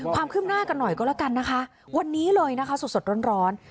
ความคืบหน้ากันหน่อยก็แล้วกันนะคะวันนี้เลยนะคะสดร้อน